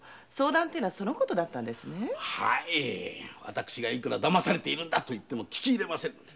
私がいくらだまされているんだと言っても聞きません。